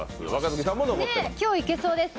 今日、いけそうです。